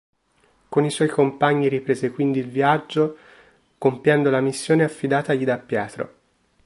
Con i suoi compagni riprese quindi il viaggio compiendo la missione affidatagli da Pietro.